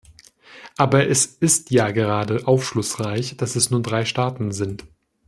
Aber es ist ja gerade aufschlussreich, dass es nur drei Staaten sind.